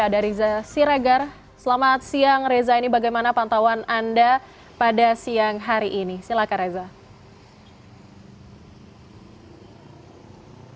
dari zaregar silakan siang reza ini bagaimana pantauan anda pada siang hari ini